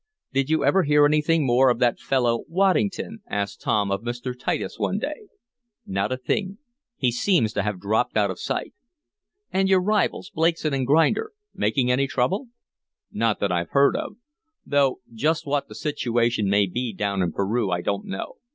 "Did you ever hear anything more of that fellow, Waddington?" asked Tom of Mr. Titus one day. "Not a thing. He seems to have dropped out of sight." "And are your rivals, Blakeson & Grinder, making any trouble?" "Not that I've heard of. Though just what the situation may be down in Peru I don't know.